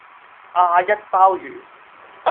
阿一鮑魚